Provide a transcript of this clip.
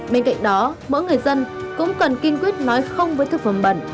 bên cạnh đó mỗi người dân cũng cần kiên quyết nói không với thực phẩm bẩn